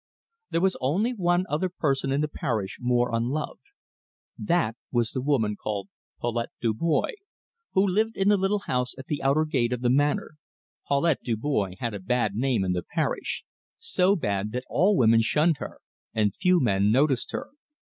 There was only one other person in the parish more unloved. That was the woman called Paulette Dubois, who lived in the little house at the outer gate of the Manor. Paulette Dubois had a bad name in the parish so bad that all women shunned her, and few men noticed her.